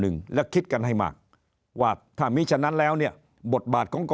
หนึ่งและคิดกันให้มากว่าถ้ามีฉะนั้นแล้วเนี่ยบทบาทของกร